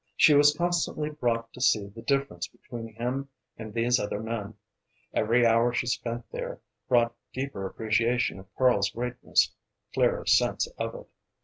She was constantly brought to see the difference between him and these other men; every hour she spent there brought deeper appreciation of Karl's greatness, clearer sense of it.